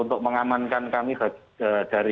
untuk mengamankan kami dari taparan virus itu sendiri